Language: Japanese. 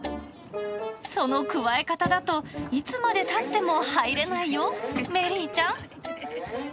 そのくわえ方だと、いつまでたっても入れないよ、メリーちゃん。